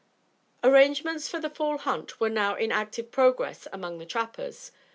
Arrangements for the fall hunt were now in active progress among the trappers.